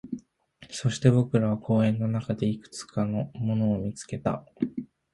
そして、僕らは公園の中でいくつかのものを見つけた